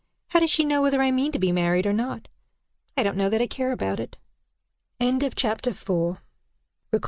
How does she know whether I mean to be married, or not? I don't know that I care about it." CHAPTER V. LUCIA.